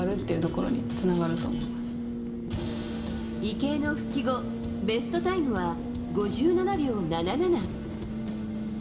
池江の復帰後ベストタイムは５７秒７７。